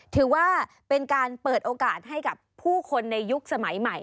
ถือว่าเป็นการเปิดโอกาสให้กับผู้คนในยุคสมัยใหม่